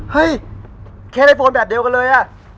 เฮ้ยแค่ได้โฟนแบบเดียวกันเลยอะ